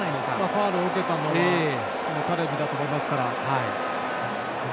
ファウルを受けたのがタレミだと思いますから。